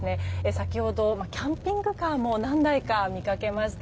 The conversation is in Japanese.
先ほど、キャンピングカーも何台か見かけました。